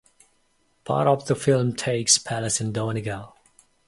Part of the film takes place in Donegal.